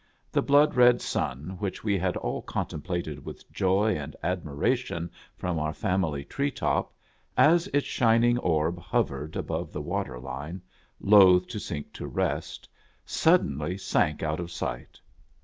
The blood red sun, which we had all contemplated with joy and ad miration from our family tree top, as its shining orb hovered above the water line, loth to sink to rest, suddenly sank out of sight.